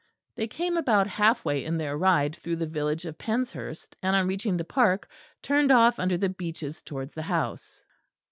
They came about half way in their ride through the village of Penshurst; and on reaching the Park turned off under the beeches towards the house.